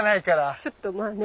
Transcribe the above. ちょっとまあね